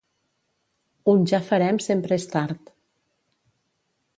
Un ja farem sempre és tard.